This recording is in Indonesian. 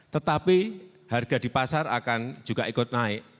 tetapi harga di pasar akan juga ikut naik